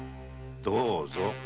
どうぞ。